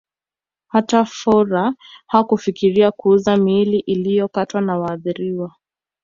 Hata Fuhrer hakufikiria kuuza miili iliyokatwa ya waathiriwa